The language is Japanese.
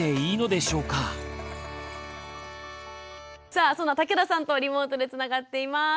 さあその竹田さんとリモートでつながっています。